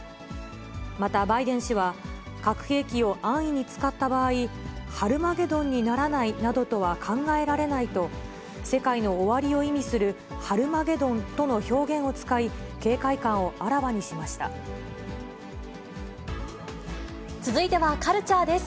またバイデン氏は、核兵器を安易に使った場合、ハルマゲドンにならないなどとは考えられないと、世界の終わりを意味するハルマゲドンとの表現を使い、警戒感をあ続いてはカルチャーです。